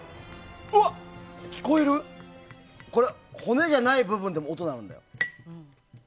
これ、骨じゃない部分でも音が鳴るんだよ。